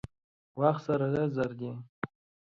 وخت سره زر دي.